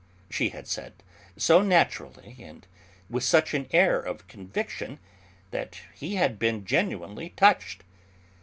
she had said, so naturally and with such an air of conviction that he had been genuinely touched.